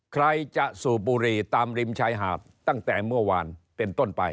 ใครจะสูบบุหรี่ตามริมชายหาดตั้งแต่เมื่อวานเป็นต้นไป